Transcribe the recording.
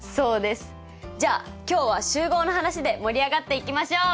じゃ今日は集合の話で盛り上がっていきましょう！